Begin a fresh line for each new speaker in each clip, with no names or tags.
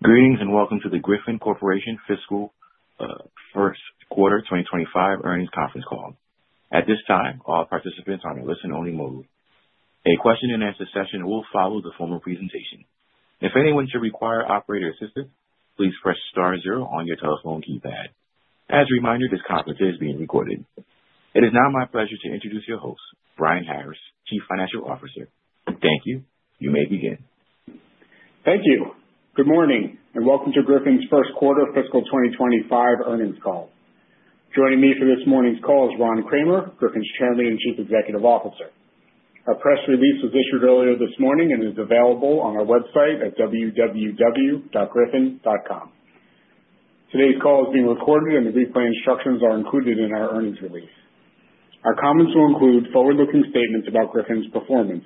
Greetings and welcome to the Griffon Corporation Fiscal First Quarter 2025 Earnings Conference Call. At this time, all participants are in a listen-only mode. A question-and-answer session will follow the formal presentation. If anyone should require operator assistance, please press star zero on your telephone keypad. As a reminder, this conference is being recorded. It is now my pleasure to introduce your host, Brian Harris, Chief Financial Officer. Thank you. You may begin.
Thank you. Good morning and welcome to Griffon's First Quarter Fiscal 2025 earnings call. Joining me for this morning's call is Ron Kramer, Griffon's Chairman and Chief Executive Officer. A press release was issued earlier this morning and is available on our website at www.griffon.com. Today's call is being recorded, and the replay instructions are included in our earnings release. Our comments will include forward-looking statements about Griffon's performance.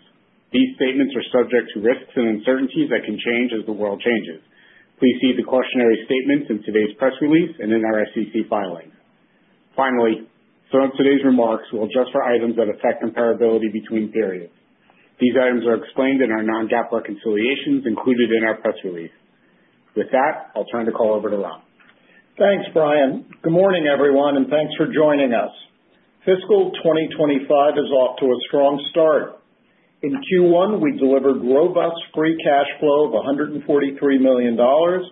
These statements are subject to risks and uncertainties that can change as the world changes. Please see the cautionary statements in today's press release and in our SEC filing. Finally, some of today's remarks will adjust for items that affect comparability between periods. These items are explained in our non-GAAP reconciliations included in our press release. With that, I'll turn the call over to Ron.
Thanks, Brian. Good morning, everyone, and thanks for joining us. Fiscal 2025 is off to a strong start. In Q1, we delivered robust free cash flow of $143 million,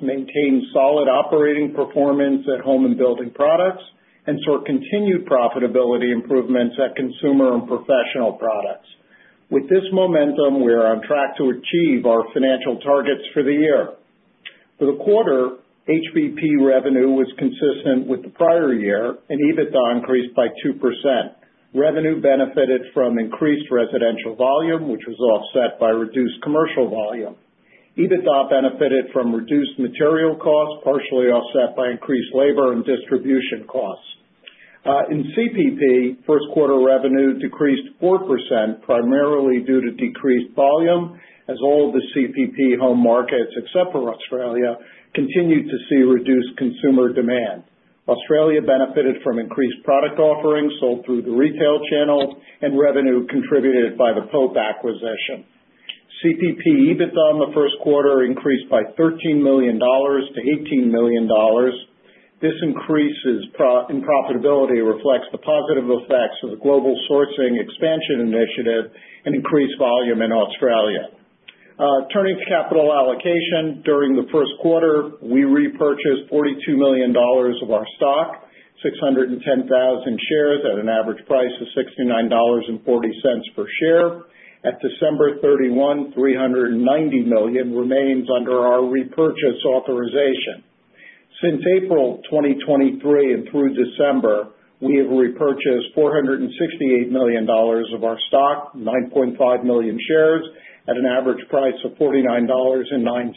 maintained solid operating performance at Home and Building Products, and saw continued profitability improvements at Consumer and Professional Products. With this momentum, we are on track to achieve our financial targets for the year. For the quarter, HBP revenue was consistent with the prior year, and EBITDA increased by 2%. Revenue benefited from increased residential volume, which was offset by reduced commercial volume. EBITDA benefited from reduced material costs, partially offset by increased labor and distribution costs. In CPP, first quarter revenue decreased 4%, primarily due to decreased volume, as all of the CPP home markets, except for Australia, continued to see reduced consumer demand. Australia benefited from increased product offerings sold through the retail channel, and revenue contributed by the Pope acquisition. CPP EBITDA in the first quarter increased by $13 million to $18 million. This increase in profitability reflects the positive effects of the global sourcing expansion initiative and increased volume in Australia. Turning to capital allocation, during the first quarter, we repurchased $42 million of our stock, 610,000 shares at an average price of $69.40 per share. At December 31, $390 million remains under our repurchase authorization. Since April 2023 and through December, we have repurchased $468 million of our stock, 9.5 million shares at an average price of $49.09.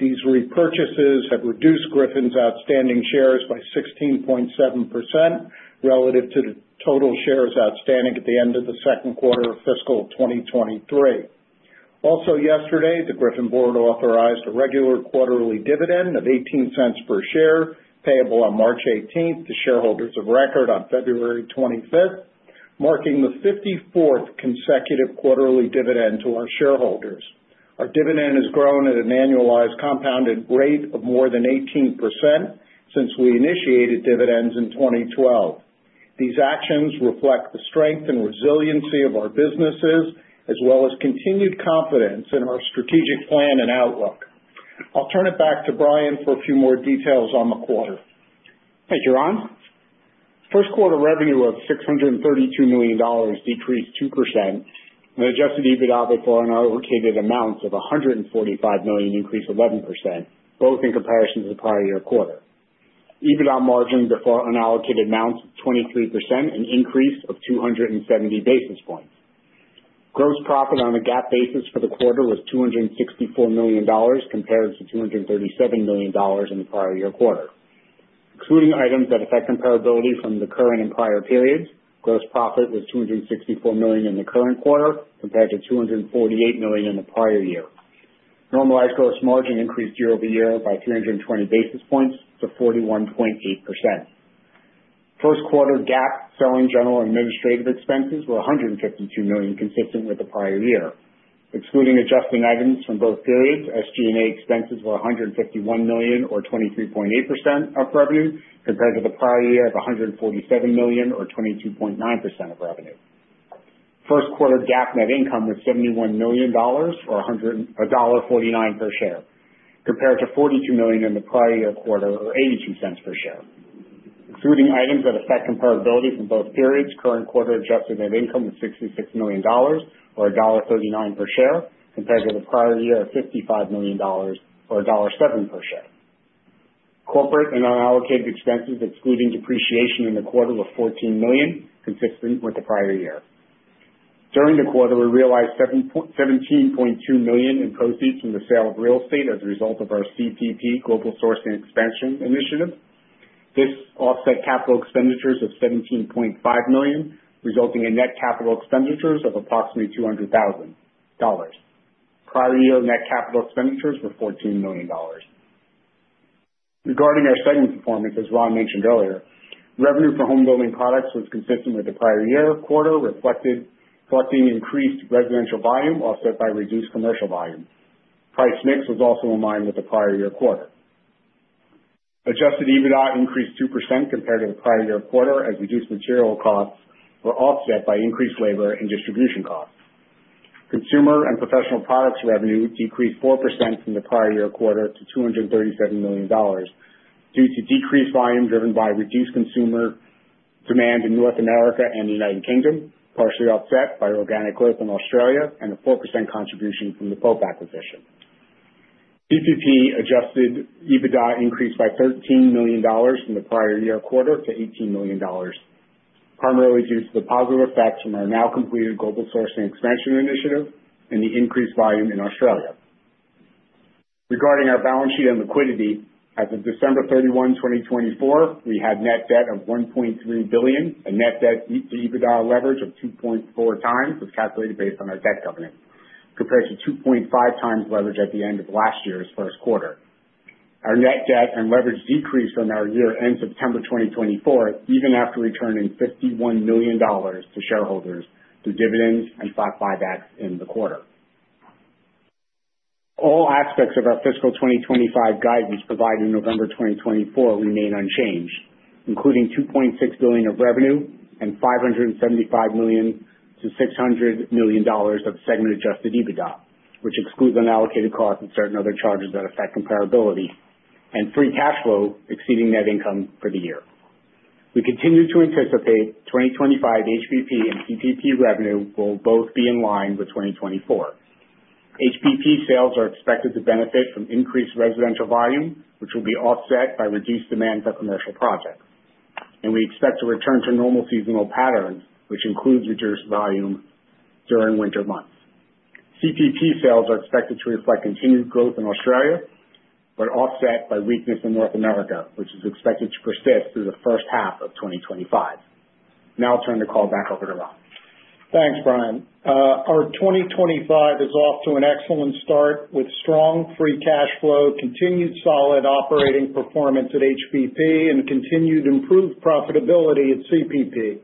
These repurchases have reduced Griffon's outstanding shares by 16.7% relative to the total shares outstanding at the end of the second quarter of fiscal 2023. Also, yesterday, the Griffon Board authorized a regular quarterly dividend of $0.18 per share, payable on March 18th to shareholders of record on February 25th, marking the 54th consecutive quarterly dividend to our shareholders. Our dividend has grown at an annualized compounded rate of more than 18% since we initiated dividends in 2012. These actions reflect the strength and resiliency of our businesses, as well as continued confidence in our strategic plan and outlook. I'll turn it back to Brian for a few more details on the quarter.
Thank you, Ron. First quarter revenue of $632 million decreased 2%, and adjusted EBITDA before unallocated amounts of $145 million increased 11%, both in comparison to the prior year quarter. EBITDA margin before unallocated amounts of 23%, an increase of 270 basis points. Gross profit on a GAAP basis for the quarter was $264 million, compared to $237 million in the prior year quarter. Excluding items that affect comparability from the current and prior periods, gross profit was $264 million in the current quarter, compared to $248 million in the prior year. Normalized gross margin increased year over year by 320 basis points to 41.8%. First quarter GAAP selling general administrative expenses were $152 million, consistent with the prior year. Excluding adjusting items from both periods, SG&A expenses were $151 million, or 23.8% of revenue, compared to the prior year of $147 million, or 22.9% of revenue. First quarter GAAP net income was $71 million, or $1.49 per share, compared to $42 million in the prior year quarter, or $0.82 per share. Excluding items that affect comparability from both periods, current quarter adjusted net income was $66 million, or $1.39 per share, compared to the prior year of $55 million, or $1.07 per share. Corporate and unallocated expenses, excluding depreciation in the quarter, were $14 million, consistent with the prior year. During the quarter, we realized $17.2 million in proceeds from the sale of real estate as a result of our CPP global sourcing expansion initiative. This offset capital expenditures of $17.5 million, resulting in net capital expenditures of approximately $200,000. Prior year net capital expenditures were $14 million. Regarding our segment performance, as Ron mentioned earlier, revenue for Home and Building Products was consistent with the prior year quarter, reflecting increased residential volume offset by reduced commercial volume. Price mix was also in line with the prior year quarter. Adjusted EBITDA increased 2% compared to the prior year quarter, as reduced material costs were offset by increased labor and distribution costs. Consumer and Professional Products revenue decreased 4% from the prior year quarter to $237 million due to decreased volume driven by reduced consumer demand in North America and the United Kingdom, partially offset by organic growth in Australia, and a 4% contribution from the Pope acquisition. CPP adjusted EBITDA increased by $13 million from the prior year quarter to $18 million, primarily due to the positive effects from our now completed global sourcing expansion initiative and the increased volume in Australia. Regarding our balance sheet and liquidity, as of December 31, 2024, we had net debt of $1.3 billion. The net debt to EBITDA leverage of 2.4 times was calculated based on our debt governance, compared to 2.5 times leverage at the end of last year's first quarter. Our net debt and leverage decreased from our year-end September 2024, even after returning $51 million to shareholders through dividends and stock buybacks in the quarter. All aspects of our fiscal 2025 guidance provided in November 2024 remain unchanged, including $2.6 billion of revenue and $575 million-$600 million of segment-adjusted EBITDA, which excludes unallocated costs and certain other charges that affect comparability, and free cash flow exceeding net income for the year. We continue to anticipate 2025 HBP and CPP revenue will both be in line with 2024. HBP sales are expected to benefit from increased residential volume, which will be offset by reduced demand for commercial projects, and we expect to return to normal seasonal patterns, which includes reduced volume during winter months. CPP sales are expected to reflect continued growth in Australia, but offset by weakness in North America, which is expected to persist through the first half of 2025. Now I'll turn the call back over to Ron.
Thanks, Brian. Our 2025 is off to an excellent start with strong free cash flow, continued solid operating performance at HBP, and continued improved profitability at CPP.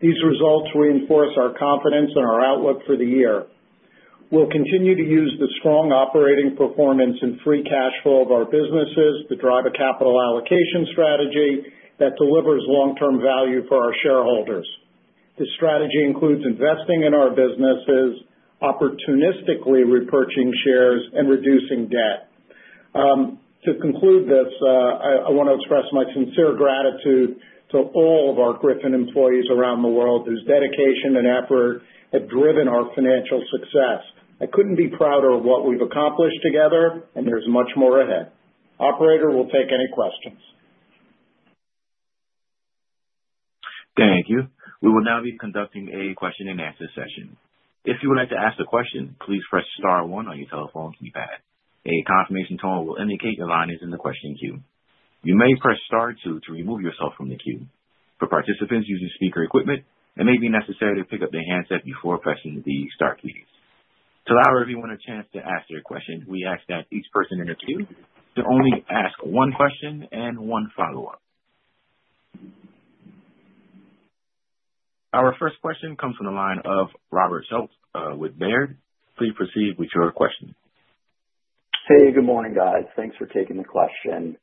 These results reinforce our confidence in our outlook for the year. We'll continue to use the strong operating performance and free cash flow of our businesses to drive a capital allocation strategy that delivers long-term value for our shareholders. This strategy includes investing in our businesses, opportunistically repurchasing shares, and reducing debt. To conclude this, I want to express my sincere gratitude to all of our Griffon employees around the world whose dedication and effort have driven our financial success. I couldn't be prouder of what we've accomplished together, and there's much more ahead. Operator, we'll take any questions.
Thank you. We will now be conducting a question-and-answer session. If you would like to ask a question, please press star one on your telephone keypad. A confirmation tone will indicate your line is in the question queue. You may press star two to remove yourself from the queue. For participants using speaker equipment, it may be necessary to pick up their handset before pressing the star keys. To allow everyone a chance to ask their question, we ask that each person in the queue to only ask one question and one follow-up. Our first question comes from the line of Robert Schultz with Baird. Please proceed with your question.
Hey, good morning, guys. Thanks for taking the question.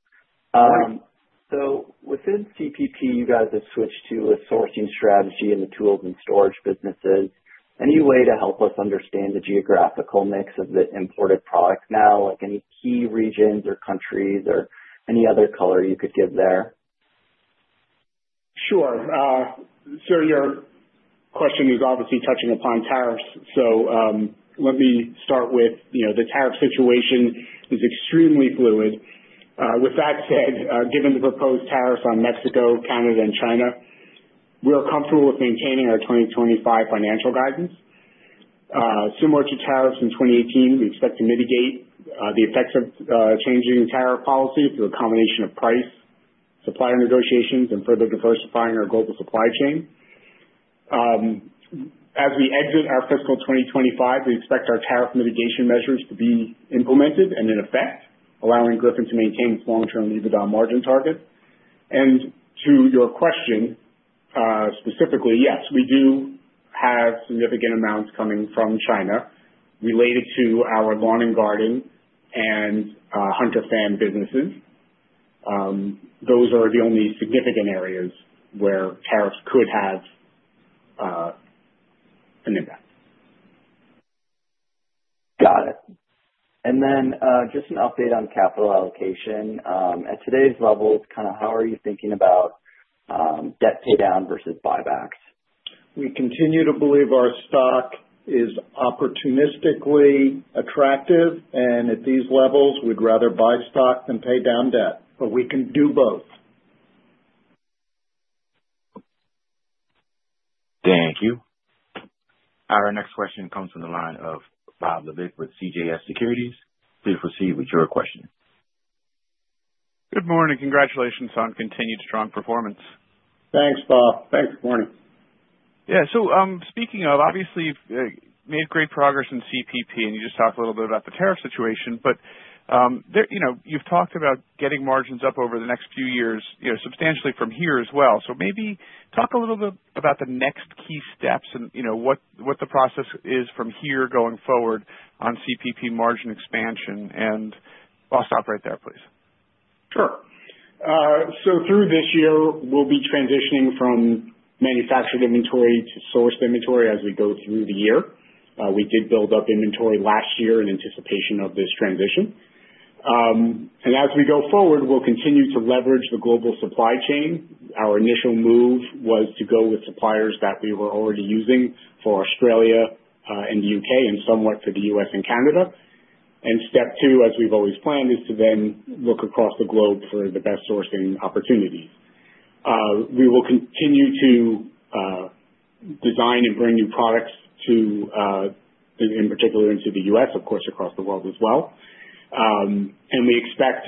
So within CPP, you guys have switched to a sourcing strategy in the tools and storage businesses. Any way to help us understand the geographical mix of the imported products now, like any key regions or countries or any other color you could give there?
Sure. So your question is obviously touching upon tariffs. So let me start with the tariff situation is extremely fluid. With that said, given the proposed tariffs on Mexico, Canada, and China, we're comfortable with maintaining our 2025 financial guidance. Similar to tariffs in 2018, we expect to mitigate the effects of changing tariff policy through a combination of price, supplier negotiations, and further diversifying our global supply chain. As we exit our fiscal 2025, we expect our tariff mitigation measures to be implemented and in effect, allowing Griffon to maintain its long-term EBITDA margin target. And to your question specifically, yes, we do have significant amounts coming from China related to Lawn and Garden and Hunter Fan businesses. Those are the only significant areas where tariffs could have an impact.
Got it. And then just an update on capital allocation. At today's level, kind of how are you thinking about debt pay down versus buybacks?
We continue to believe our stock is opportunistically attractive, and at these levels, we'd rather buy stock than pay down debt. But we can do both.
Thank you. Our next question comes from the line of Bob Labick with CJS Securities. Please proceed with your question.
Good morning. Congratulations on continued strong performance.
Thanks, Bob. Thanks for joining.
Yeah. So speaking of, obviously, you've made great progress in CPP, and you just talked a little bit about the tariff situation, but you've talked about getting margins up over the next few years substantially from here as well. So maybe talk a little bit about the next key steps and what the process is from here going forward on CPP margin expansion. And I'll stop right there, please.
Sure. So through this year, we'll be transitioning from manufactured inventory to sourced inventory as we go through the year. We did build up inventory last year in anticipation of this transition. And as we go forward, we'll continue to leverage the global supply chain. Our initial move was to go with suppliers that we were already using for Australia and the U.K., and somewhat for the U.S. and Canada. And step two, as we've always planned, is to then look across the globe for the best sourcing opportunities. We will continue to design and bring new products to, in particular, into the U.S., of course, across the world as well. And we expect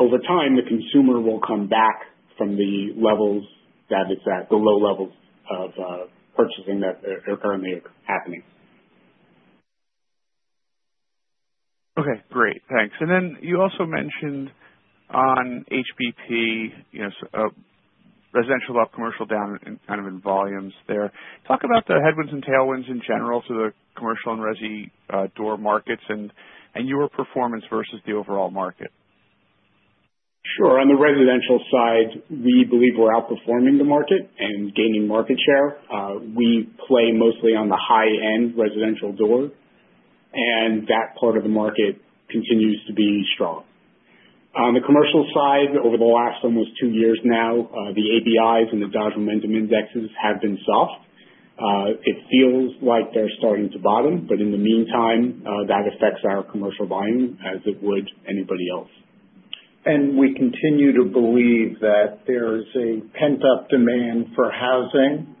over time, the consumer will come back from the levels that it's at, the low levels of purchasing that are currently happening.
Okay. Great. Thanks. And then you also mentioned on HBP residential up, commercial down, and kind of in volumes there. Talk about the headwinds and tailwinds in general to the commercial and resi door markets and your performance versus the overall market.
Sure. On the residential side, we believe we're outperforming the market and gaining market share. We play mostly on the high-end residential door, and that part of the market continues to be strong. On the commercial side, over the last almost two years now, the ABIs and the Dodge Momentum indexes have been soft. It feels like they're starting to bottom, but in the meantime, that affects our commercial volume as it would anybody else. And we continue to believe that there is a pent-up demand for housing.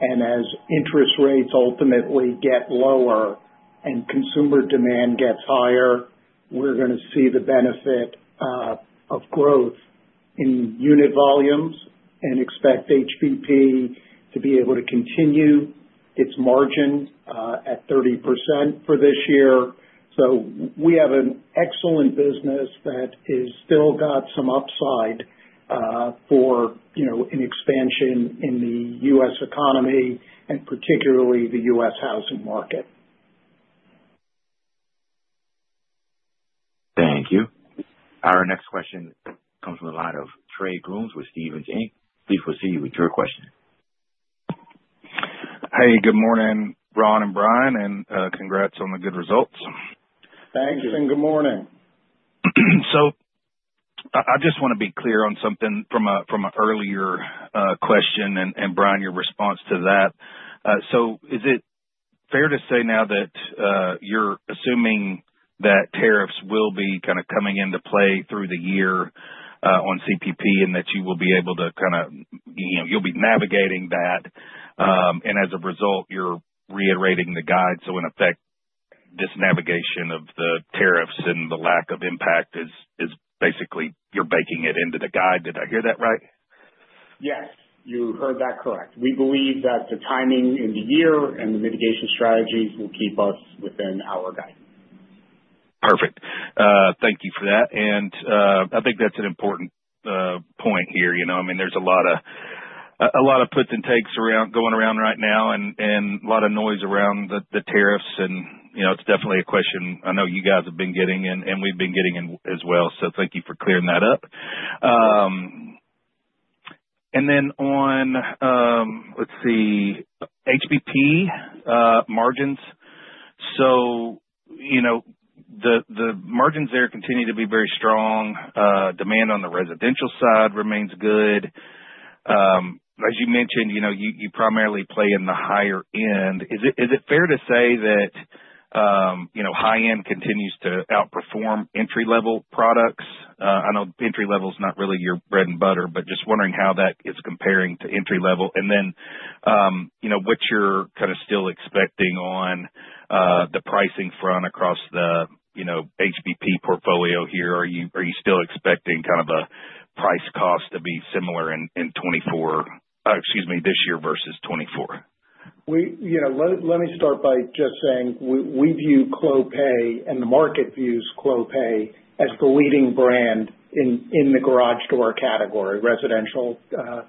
And as interest rates ultimately get lower and consumer demand gets higher, we're going to see the benefit of growth in unit volumes and expect HBP to be able to continue its margin at 30% for this year. We have an excellent business that has still got some upside for an expansion in the U.S. economy and particularly the U.S. housing market.
Thank you. Our next question comes from the line of Trey Grooms with Stephens Inc. Please proceed with your question.
Hey, good morning, Ron and Brian, and congrats on the good results.
Thanks and good morning.
So, I just want to be clear on something from an earlier question and Brian, your response to that. So, is it fair to say now that you're assuming that tariffs will be kind of coming into play through the year on CPP and that you will be able to kind of you'll be navigating that? And as a result, you're reiterating the guide. So, in effect, this navigation of the tariffs and the lack of impact is basically you're baking it into the guide. Did I hear that right?
Yes, you heard that correct. We believe that the timing in the year and the mitigation strategies will keep us within our guidance.
Perfect. Thank you for that. And I think that's an important point here. I mean, there's a lot of puts and takes going around right now and a lot of noise around the tariffs. And it's definitely a question I know you guys have been getting and we've been getting as well. So thank you for clearing that up. And then on, let's see, HBP margins. So the margins there continue to be very strong. Demand on the residential side remains good. As you mentioned, you primarily play in the higher end. Is it fair to say that high-end continues to outperform entry-level products? I know entry-level is not really your bread and butter, but just wondering how that is comparing to entry-level. And then what you're kind of still expecting on the pricing front across the HBP portfolio here? Are you still expecting kind of a price cost to be similar in 2024, excuse me, this year versus 2024?
Let me start by just saying we view Clopay, and the market views Clopay as the leading brand in the garage door category, residential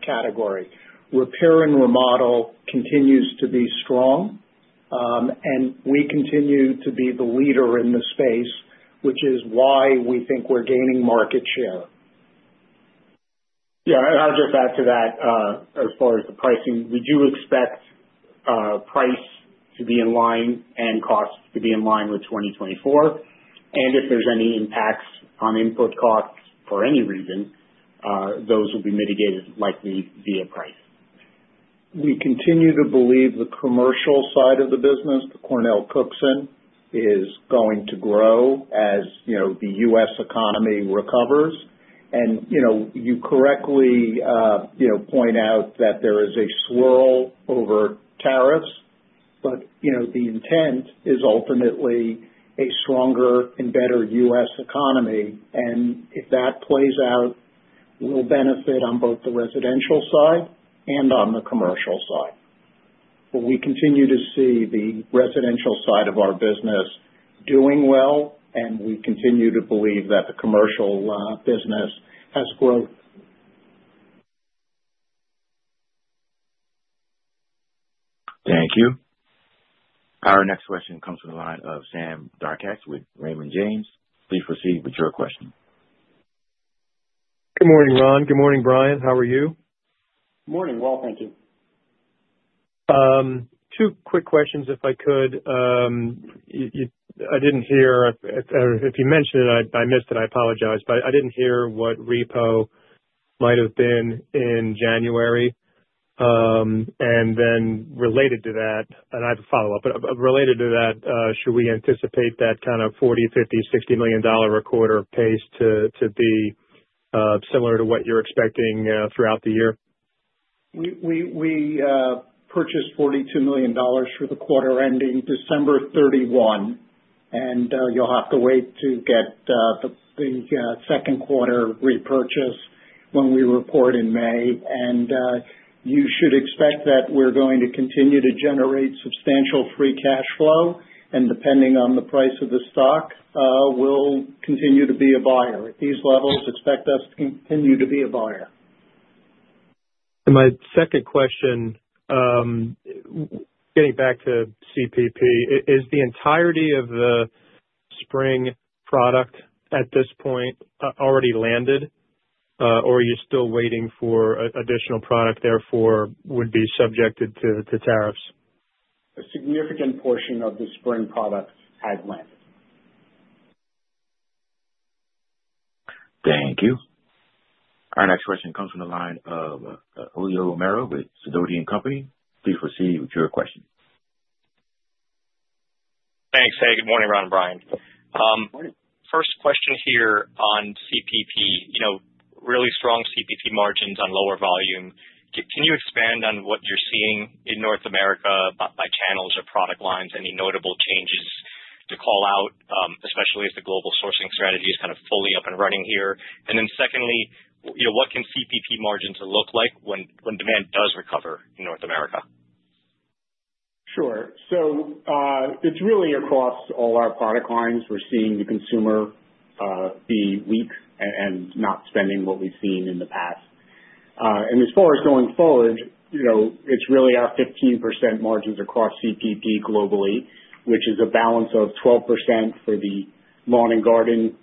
category. Repair and remodel continues to be strong, and we continue to be the leader in the space, which is why we think we're gaining market share. Yeah. And I'll just add to that as far as the pricing. We do expect price to be in line and costs to be in line with 2024. And if there's any impacts on input costs for any reason, those will be mitigated likely via price. We continue to believe the commercial side of the business, the CornellCookson, is going to grow as the U.S. economy recovers. And you correctly point out that there is a swirl over tariffs, but the intent is ultimately a stronger and better U.S. economy. And if that plays out, we'll benefit on both the residential side and on the commercial side. But we continue to see the residential side of our business doing well, and we continue to believe that the commercial business has growth.
Thank you. Our next question comes from the line of Sam Darkatsh with Raymond James. Please proceed with your question.
Good morning, Ron. Good morning, Brian. How are you?
Good morning. Well, thank you.
Two quick questions if I could. I didn't hear if you mentioned it, I missed it. I apologize, but I didn't hear what repo might have been in January, and then related to that, and I have a follow-up, but related to that, should we anticipate that kind of $40 million, $50 million, $60 million a quarter pace to be similar to what you're expecting throughout the year?
We purchased $42 million for the quarter ending December 31, 2023, and you'll have to wait to get the second quarter repurchase when we report in May, and you should expect that we're going to continue to generate substantial free cash flow, and depending on the price of the stock, we'll continue to be a buyer. At these levels, expect us to continue to be a buyer.
My second question, getting back to CPP, is the entirety of the spring product at this point already landed, or are you still waiting for additional product therefore would be subjected to tariffs?
A significant portion of the spring product has landed.
Thank you. Our next question comes from the line of Julio Romero with Sidoti & Company. Please proceed with your question.
Thanks. Hey, good morning, Ron and Brian. First question here on CPP, really strong CPP margins on lower volume. Can you expand on what you're seeing in North America by channels or product lines? Any notable changes to call out, especially as the global sourcing strategy is kind of fully up and running here? And then secondly, what can CPP margins look like when demand does recover in North America?
Sure. So it's really across all our product lines. We're seeing the consumer be weak and not spending what we've seen in the past. And as far as going forward, it's really our 15% margins across CPP globally, which is a balance of 12% for the Lawn and Garden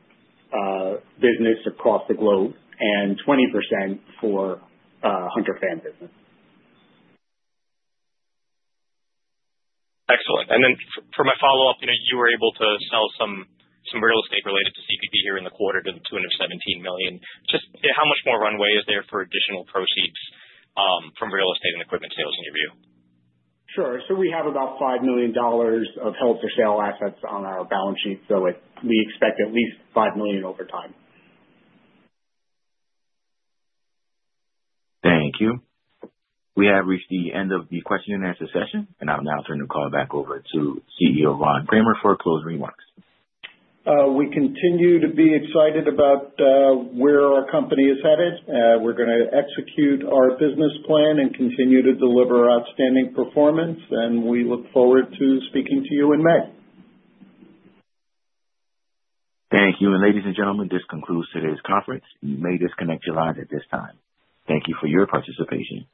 business across the globe and 20% for Hunter Fan business.
Excellent. And then for my follow-up, you were able to sell some real estate related to CPP here in the quarter to the tune of $17 million. Just how much more runway is there for additional proceeds from real estate and equipment sales in your view?
Sure. So we have about $5 million of held-for-sale assets on our balance sheet. So we expect at least $5 million over time.
Thank you. We have reached the end of the question and answer session, and I'll now turn the call back over to CEO Ron Kramer for closing remarks.
We continue to be excited about where our company is headed. We're going to execute our business plan and continue to deliver outstanding performance, and we look forward to speaking to you in May.
Thank you. Ladies and gentlemen, this concludes today's conference. You may disconnect your lines at this time. Thank you for your participation.